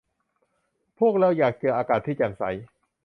พวกเราอยากเจออากาศที่แจ่มใส